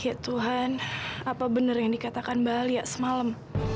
ya tuhan apa benar yang dikatakan mbak alia semalam